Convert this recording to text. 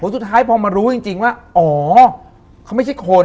สุดท้ายพอมารู้จริงว่าอ๋อเขาไม่ใช่คน